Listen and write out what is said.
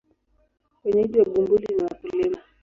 Wenyeji wa Bumbuli ni wakulima.